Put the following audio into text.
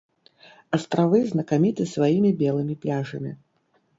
Астравы знакаміты сваімі белымі пляжамі.